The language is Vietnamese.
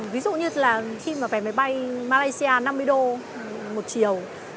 ví dụ như là khi mà vé máy bay malaysia năm mươi đô một chiều